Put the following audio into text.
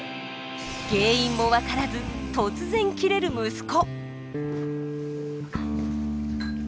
原因も分からず突然キレる息子。